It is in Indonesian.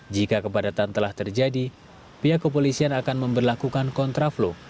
jika kepadatan telah terjadi pihak kepolisian akan memperlakukan kontraflow